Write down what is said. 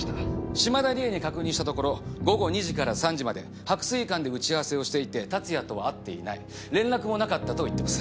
嶋田理恵に確認したところ午後２時から３時まで白水館で打ち合わせをしていて龍哉とは会っていない連絡もなかったと言ってます。